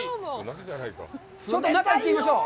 ちょっと中、行ってみましょう。